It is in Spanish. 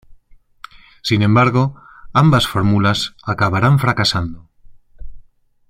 Sin embargo, ambas fórmulas acabarán fracasando.